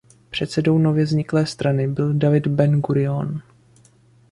Předsedou nově vzniklé strany byl David Ben Gurion.